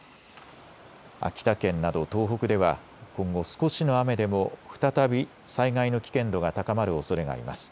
秋田県など東北では今後、少しの雨でも再び災害の危険度が高まるおそれがあります。